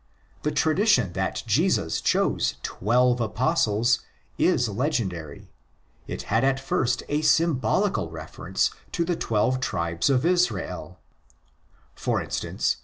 The tradition that Jesus chose '' twelve Apostles "' is legendary; it had at first a symbolical reference to the twelve tribes of Israel (cf.